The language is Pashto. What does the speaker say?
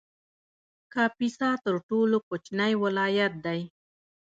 کاپیسا تر ټولو کوچنی ولایت دی